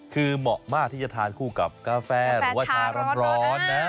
คือเหมาะมากที่จะทานคู่กับกาแฟหรือว่าชาร้อนนะ